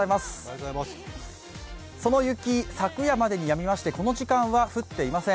その雪、昨夜までにやみましてこの時間は降っていません。